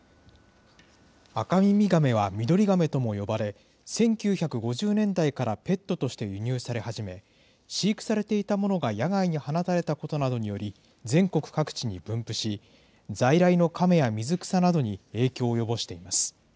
アカミミガメはミドリガメとも呼ばれ、１９５０年代からペットとして輸入され始め、飼育されていたものが野外に放たれたことなどにより、全国各地に分布し、在来のカメや水草などに影響を及ぼしています。